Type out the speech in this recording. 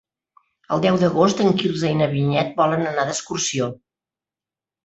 El deu d'agost en Quirze i na Vinyet volen anar d'excursió.